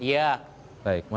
jadi anda menolak disebut pemukulan